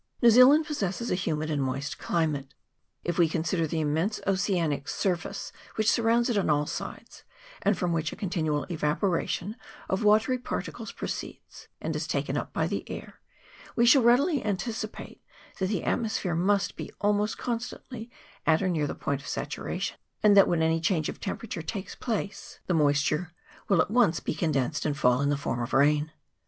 New Zealand possesses a humid and moist climate. If we consider the immense oceanic surface which surrounds it on all sides, and from which a con 176 CLIMATE OF [PART I tinual evaporation of watery particles proceeds, and is taken up by the air, we shall readily anticipate that the atmosphere must be almost constantly at or near the point of saturation, and that when any change of temperature takes place the moisture will at once be condensed and fall in the form of rain.